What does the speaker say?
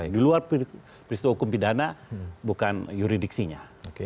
di luar peristiwa hukum pidana bukan yuridiksinya